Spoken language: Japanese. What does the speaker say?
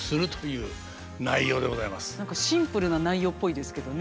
何かシンプルな内容っぽいですけどね。